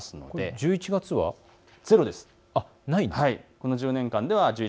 １１月はゼロなんです。